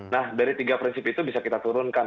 nah dari tiga prinsip itu bisa kita turunkan